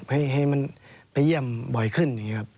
ให้มันไปเยี่ยมบ่อยขึ้น